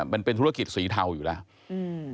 มันเป็นธุรกิจสีเทาอยู่แล้วอืม